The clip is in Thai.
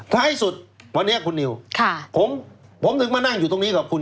ท้ายสุดวันนี้คุณนิวผมถึงมานั่งอยู่ตรงนี้กับคุณ